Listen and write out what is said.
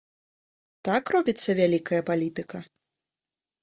Так робіцца вялікая палітыка?